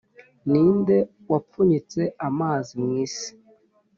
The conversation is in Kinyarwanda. Ni nde wapfunyitse amazi mu isi